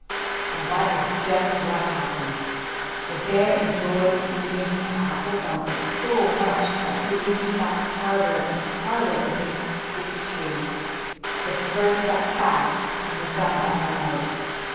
And that is just what happened. The bear enjoyed eating the apple dumpling so much that he leaned back harder and harder against the sticky tree. His fur stuck fast in the gum that ran out.